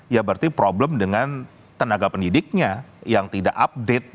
ya berarti problem dengan tenaga pendidiknya yang tidak update